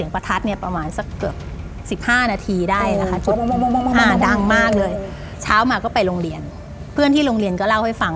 แปลวากก็เข้าไปนอน